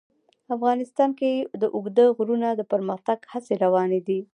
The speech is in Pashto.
افغانستان کې د اوږده غرونه د پرمختګ هڅې روانې دي.